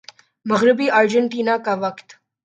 مغربی ارجنٹینا کا وقت